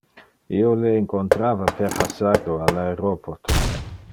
Io le incontrava per hasardo al aeroporto.